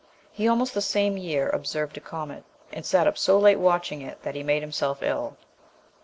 He also the same year observed a comet, and sat up so late watching it that he made himself ill.